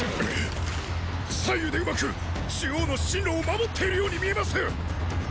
左右でうまく中央の進路を守っているように見えます！